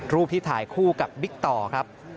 รูปที่ถ่ายคู่กับบิ๊กต่อครับ